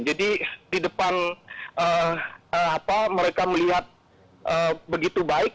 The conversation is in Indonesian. jadi di depan mereka melihat begitu baik